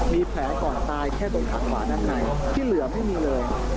มีแผลก่อนตายแค่ตรงขาขวาด้านในที่เหลือไม่มีเลย